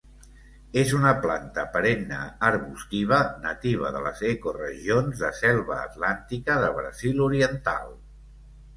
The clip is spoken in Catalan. És una planta perenne arbustiva nativa de les ecoregions de Selva atlàntica de Brasil oriental.